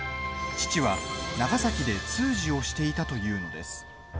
父は長崎で通詞をしていたというのです。